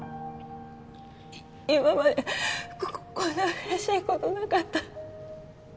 今までこんな嬉しいことなかった